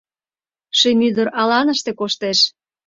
Шемӱдыр аланыште коштеш.